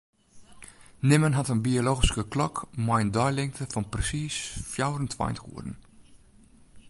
Nimmen hat in biologyske klok mei in deilingte fan persiis fjouwerentweintich oeren.